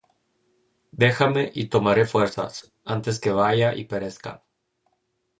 Déjame, y tomaré fuerzas, Antes que vaya y perezca.